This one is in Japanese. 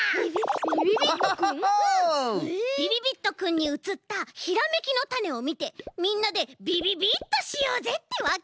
びびびっとくんにうつったひらめきのタネをみてみんなでびびびっとしようぜってわけ！